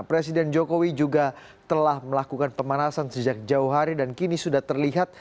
presiden jokowi juga telah melakukan pemanasan sejak jauh hari dan kini sudah terlihat